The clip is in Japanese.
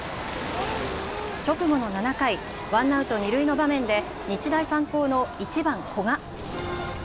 直後の７回、ワンアウト二塁の場面で日大三高の１番・古賀。